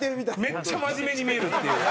めっちゃ真面目に見えるっていう。